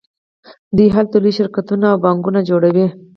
دوی هلته لوی شرکتونه او بانکونه جوړوي